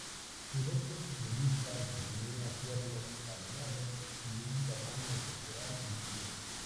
Sus restos indican que tenía cuernos palmeados y un tamaño corporal reducido.